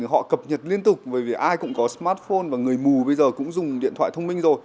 họ cập nhật liên tục bởi vì ai cũng có smartphone và người mù bây giờ cũng dùng điện thoại thông minh rồi